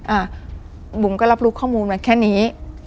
อ่าบุ๋มก็รับรู้ข้อมูลมาแค่นี้